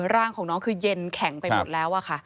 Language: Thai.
ร่างของน้องคือเย็นแข็งไปหมดแล้วค่ะ